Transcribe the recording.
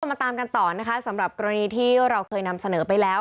มาตามกันต่อนะคะสำหรับกรณีที่เราเคยนำเสนอไปแล้ว